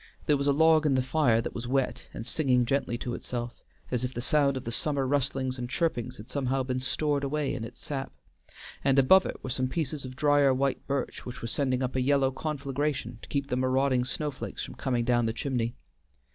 There was a log in the fire that was wet, and singing gently to itself, as if the sound of the summer rustlings and chirpings had somehow been stored away in its sap, and above it were some pieces of drier white birch, which were sending up a yellow conflagration to keep the marauding snow flakes from coming down the chimney.